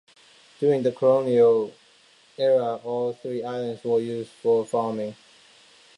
During the colonial era, all three islands were used for farming.